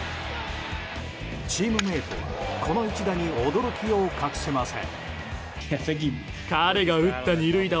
チームメートはこの一打に驚きを隠せません。